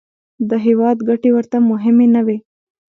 د هېواد ګټې ورته مهمې نه وې.